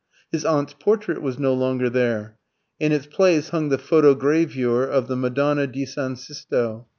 His aunt's portrait was no longer there; in its place hung the photogravure of the Madonna di San Sisto.